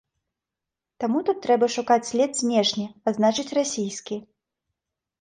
Таму тут трэба шукаць след знешні, а значыць, расійскі.